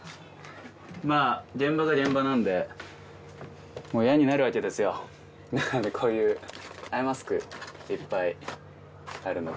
まぁ現場が現場なんでもう嫌になるわけですよなのでこういうアイマスクいっぱいあるのと